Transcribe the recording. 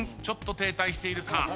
ちょっと停滞しているか。